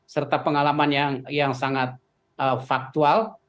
serta pengalaman yang sangat faktual